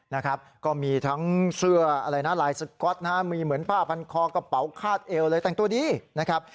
นะครับก็มีทั้งเสื้ออะไรนะลายสก๊อตนะฮะมีเหมือนผ้าพันคอกระเป๋าคาดเอวเลยแต่งตัวดีนะครับ